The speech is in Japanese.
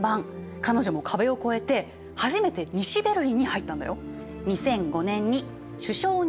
彼女も壁を越えて初めて西ベルリンに入ったんだよ。